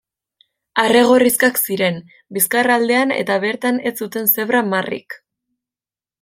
Arre-gorrizkak ziren bizkar aldean eta bertan ez zuten zebra-marrik.